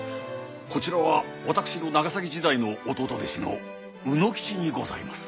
こちらは私の長崎時代の弟弟子の卯之吉にございます。